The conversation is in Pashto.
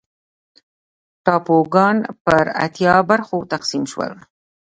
ټاپوګان پر اتیا برخو تقسیم شول.